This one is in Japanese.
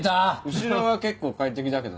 後ろは結構快適だけどね。